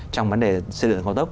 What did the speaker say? trong vấn đề xây dựng cầu tốc